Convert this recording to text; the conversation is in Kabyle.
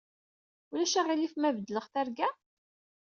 Ulac aɣilif ma beddleɣ targa?